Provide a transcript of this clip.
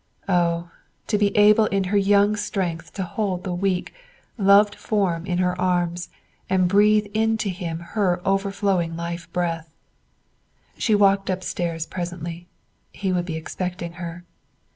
Oh, to be able in her young strength to hold the weak, loved form in her arms and breathe into him her overflowing life breath! She walked upstairs presently; he would be expecting her.